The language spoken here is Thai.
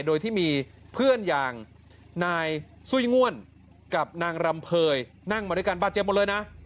โดยที่มีเพื่อนอย่างนายซุ้ยง่วนกับนางรำเภยนั่งมาด้วยกันบาดเจ็บหมดเลยนะ